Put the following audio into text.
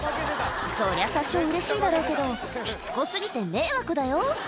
そりゃ、多少うれしいだろうけど、しつこすぎて迷惑だよ。